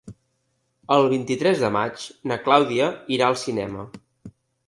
El vint-i-tres de maig na Clàudia irà al cinema.